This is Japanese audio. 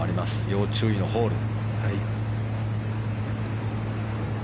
要注意のホール。